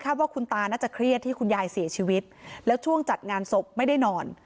ว่าคุณตาน่าจะเครียดที่คุณยายเสียชีวิตแล้วช่วงจัดงานศพไม่ได้นอน